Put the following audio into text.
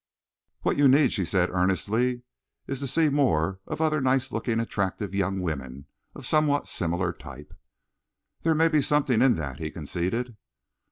"What you need," she said earnestly, "is to see more of other nice looking, attractive young women of somewhat similar type." "There may be something in that," he conceded.